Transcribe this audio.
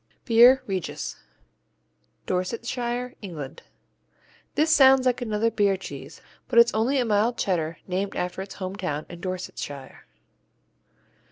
Beer Regis Dorsetshire, England This sounds like another beer cheese, but it's only a mild Cheddar named after its hometown in Dorsetshire.